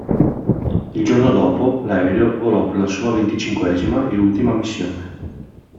Il giorno dopo l'aereo volò per la sua venticinquesima e ultima missione.